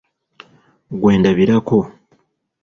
Gwe ndabirako.